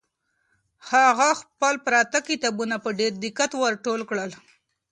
هغې خپل پراته کتابونه په ډېر دقت ور ټول کړل.